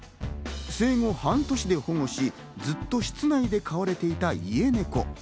生後半年で保護し、ずっと室内で飼われていた家ネコ。